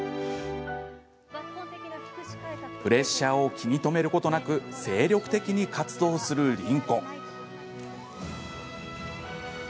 プレッシャーを気に留めることなく精力的に活動する凛子。